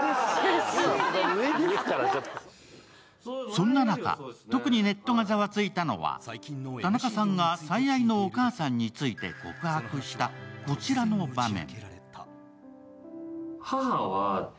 そんな中、特にネットがざわついたのは、田中さんが最愛のお母さんについて告白したこちらの場面。